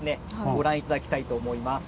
ご覧頂きたいと思います。